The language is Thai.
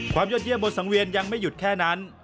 ยอดเยี่บนสังเวียนยังไม่หยุดแค่นั้น